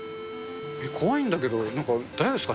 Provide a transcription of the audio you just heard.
怖いんだけど、大丈夫ですか？